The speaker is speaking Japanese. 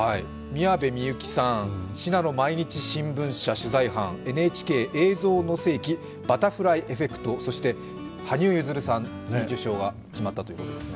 宮部みゆきさん、信濃毎日新聞社取材班、ＮＨＫ映像の世紀、バタフライエフェクトそして羽生結弦さんの受賞が決まったのです。